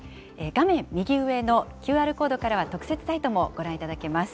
画面右上のＱＲコードからは特設サイトもご覧いただけます。